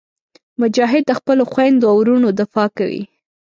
مجاهد د خپلو خویندو او وروڼو دفاع کوي.